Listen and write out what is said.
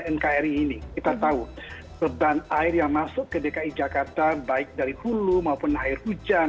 nkri ini kita tahu beban air yang masuk ke dki jakarta baik dari hulu maupun air hujan